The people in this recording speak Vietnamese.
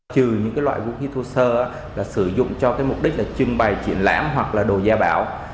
trừ những loại vũ khí thô sơ sử dụng cho mục đích trưng bày triển lãm hoặc đồ gia bảo